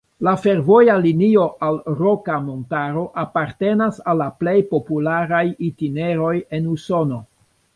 La fervoja linio al Roka Montaro apartenas al la plej popularaj itineroj en Usono.